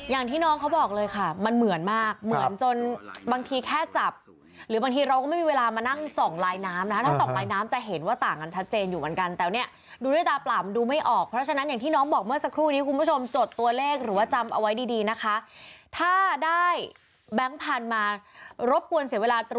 อย่างที่น้องเขาบอกเลยค่ะมันเหมือนมากเหมือนจนบางทีแค่จับหรือบางทีเราก็ไม่มีเวลามานั่งส่องลายน้ำนะคะถ้าส่องลายน้ำจะเห็นว่าต่างกันชัดเจนอยู่เหมือนกันแต่เนี่ยดูด้วยตาเปล่ามันดูไม่ออกเพราะฉะนั้นอย่างที่น้องบอกเมื่อสักครู่นี้คุณผู้ชมจดตัวเลขหรือว่าจำเอาไว้ดีดีนะคะถ้าได้แบงค์พันธุ์มารบกวนเสีย